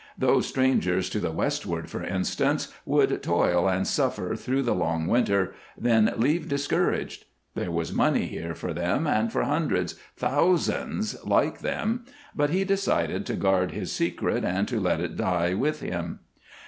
Those strangers to the westward, for instance, would toil and suffer through the long winter, then leave discouraged. There was money here for them and for hundreds thousands like them, but he decided to guard his secret and to let it die with him.